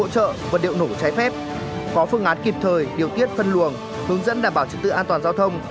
có phương án kịp thời điều tiết phân luồng hướng dẫn đảm bảo trực tự an toàn giao thông